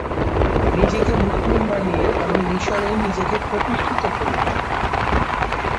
নিজেকে মুসলিম বানিয়ে আমি মিশরে নিজেকে প্রতিষ্ঠিত করেছি।